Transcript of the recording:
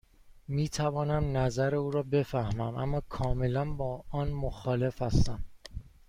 می توانم نظر او را بفهمم، اما کاملا با آن مخالف هستم.